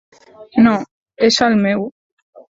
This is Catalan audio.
No, és el meu.